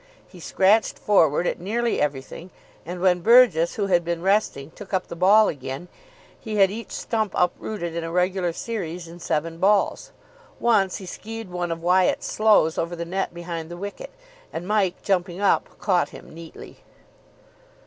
He scratched forward at nearly everything, and when Burgess, who had been resting, took up the ball again, he had each stump uprooted in a regular series in seven balls. Once he skied one of Wyatt's slows over the net behind the wicket; and Mike, jumping up, caught him neatly.